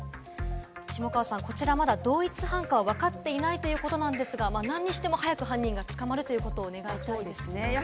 下川さん、こちらまだ同一犯かはわかっていないということなんですが、何にしても早く犯人が捕まるということを願いたいですね。